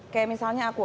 kayak misalnya aku